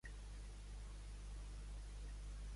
Hem de travessar el riu d'esbiaixada.